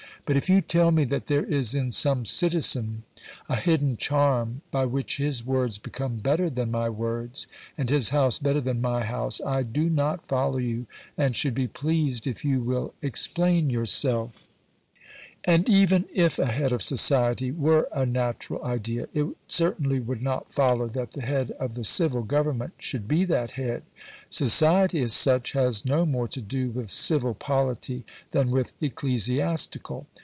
But if you tell me that there is in some citizen a hidden charm by which his words become better than my words, and his house better than my house, I do not follow you, and should be pleased if you will explain yourself." And even if a head of society were a natural idea, it certainly would not follow that the head of the civil Government should be that head. Society as such has no more to do with civil polity than with ecclesiastical.